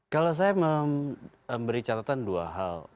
kalau saya memberi catatan dua hal